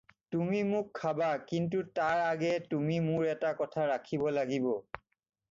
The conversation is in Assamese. তুমি মোক খাবা, কিন্তু তাৰ আগেয়ে তুমি মোৰ এটা কথা ৰাখিব লাগিব।